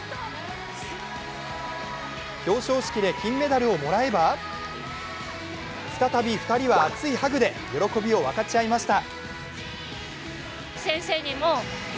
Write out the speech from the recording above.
表彰式で金メダルをもらえば再び２人は熱いハグで喜びを分かち合いました。